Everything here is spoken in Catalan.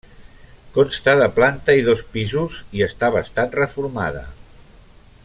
Consta de planta i dos pisos i està bastant reformada.